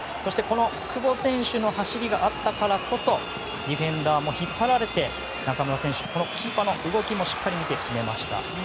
久保選手の走りがあったからこそディフェンダーも引っ張られて中村選手キーパーの動きもしっかり見て決めましたね。